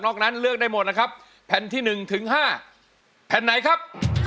นั้นเลือกได้หมดนะครับแผ่นที่๑ถึง๕แผ่นไหนครับ